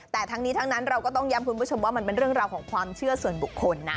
แต่ทั้งนี้ทั้งนั้นเราก็ต้องย้ำคุณผู้ชมว่ามันเป็นเรื่องราวของความเชื่อส่วนบุคคลนะ